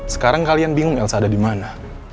sekarang kalian bingung elsa ada dimana